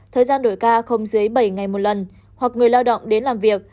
thời gian đổi ca không dưới bảy ngày một lần hoặc người lao động đến làm việc